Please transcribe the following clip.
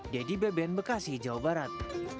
dedy beben bekasi jawa barat